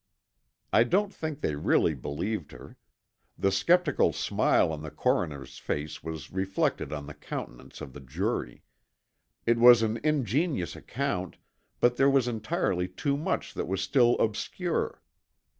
I don't think they really believed her. The skeptical smile on the coroner's face was reflected on the countenances of the jury. It was an ingenious account but there was entirely too much that was still obscure.